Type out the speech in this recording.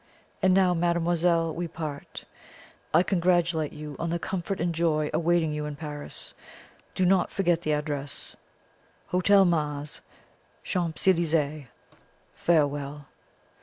And now, mademoiselle, we part. I congratulate you on the comfort and joy awaiting you in Paris. Do not forget the address Hotel Mars, Champs Elysees. Farewell!"